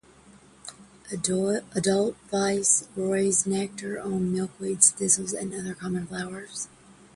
Adult viceroys nectar on milkweeds, thistles and other common flowers.